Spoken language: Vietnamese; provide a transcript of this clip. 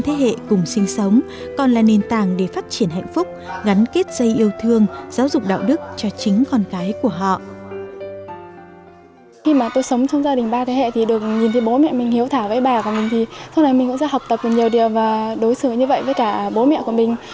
thả với bà của mình thì sau này mình cũng sẽ học tập được nhiều điều và đối xử như vậy với cả bố mẹ của mình